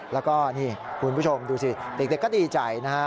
แล้วก็นี่คุณผู้ชมดูสิเด็กก็ดีใจนะฮะ